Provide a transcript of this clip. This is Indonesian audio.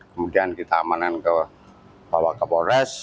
kemudian kita amanan ke bawah ke polres